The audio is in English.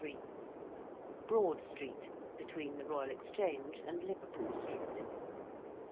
~Broad Street~: between the Royal Exchange and Liverpool Street.